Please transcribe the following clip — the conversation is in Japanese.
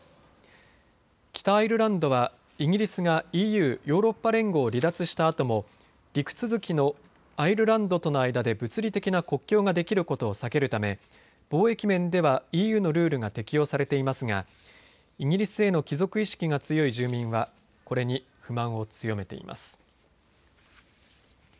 北アイルランドはイギリスがＥＵ・ヨーロッパ連合を離脱したあとも陸続きのアイルランドとの間で物理的な国境ができることを避けるため貿易面ではＥＵのルールが適用されていますがイギリスへの帰属意識が強い住民はこれに不満を強めています。